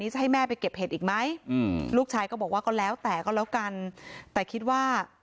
จะเคตอะไรแบบเนี่ยครับ